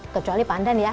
kecuali pandan ya